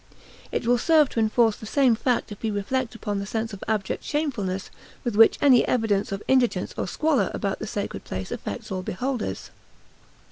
It will serve to enforce the same fact if we reflect upon the sense of abject shamefulness with which any evidence of indigence or squalor about the sacred place affects all beholders.